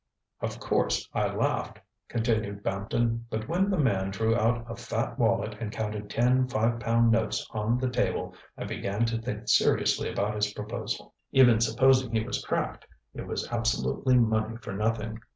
ŌĆ£Of course, I laughed, ŌĆØ continued Bampton, ŌĆ£but when the man drew out a fat wallet and counted ten five pound notes on the table I began to think seriously about his proposal. Even supposing he was cracked, it was absolutely money for nothing.